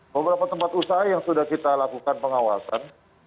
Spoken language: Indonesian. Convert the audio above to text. beberapa tempat usaha yang sudah kita lakukan pengawasan